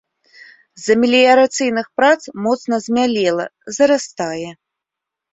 З-за меліярацыйных прац моцна змялела, зарастае.